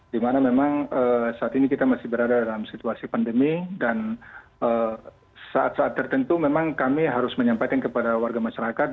di mana memang saat ini kita masih berada dalam situasi pandemi dan saat saat tertentu memang kami harus menyampaikan kepada warga masyarakat